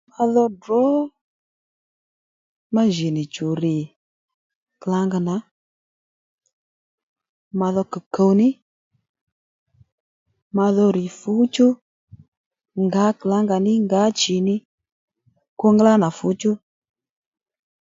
Madho ddrǒ ma jì nì chù rr̀ klǎnga nà madho kùw kùw ní ma dho rr̀ fǔchú ngǎ klǎnga ní ngǎ chì ní kunglá nà fǔchú